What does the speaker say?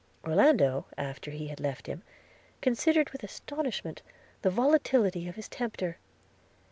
Orlando, after he had left him, considered with astonishment the volatility of his tempter.